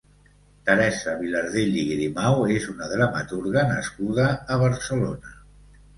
Teresa Vilardell i Grimau és una dramaturga nascuda a Barcelona.